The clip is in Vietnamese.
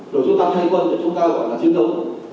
rồi chúng ta thay quân để chúng ta gọi là chiến đấu